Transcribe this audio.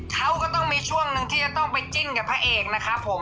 เขาก็ต้องมีช่วงหนึ่งที่จะต้องไปจิ้นกับพระเอกนะครับผม